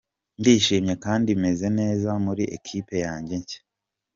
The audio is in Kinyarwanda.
Ndishimye kandi meze neza muri Equipe yange nshya.